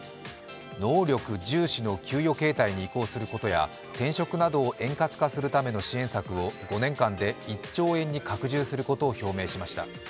能力重視の給与形態に移行することや転職などを円滑化するための支援策を５年間で１兆円に拡充することを表明しました。